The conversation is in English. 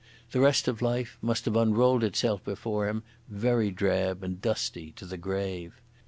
The rest of life must have unrolled itself before him very drab and dusty to the grave.